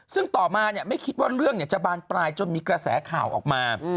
ซึ่งต่อมาไม่คิดว่าเรื่องจะบานปลายจนมีกระแสข่าวออกมา